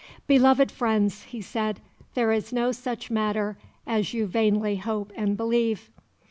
"Beloved friends," he said, "there is no such matter as you vainly hope and believe."